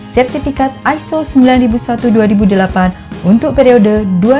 sertifikat iso sembilan ribu satu dua ribu delapan untuk periode dua ribu empat belas dua ribu tujuh belas